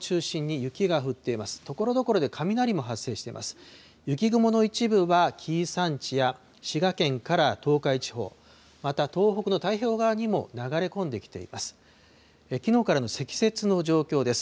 雪雲の一部は、紀伊山地や滋賀県から東海地方、また東北の太平洋側にも流れ込んできています。